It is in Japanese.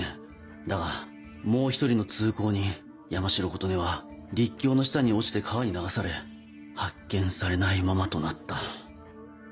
だがもう１人の通行人山城琴音は陸橋の下に落ちて川に流され発見されないままとなった。